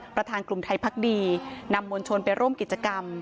ประธานกลุ่มไทยพักดีนำมวลชนไปร่วมกิจกรรม